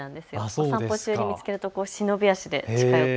お散歩中に見つけると忍び足で近寄って。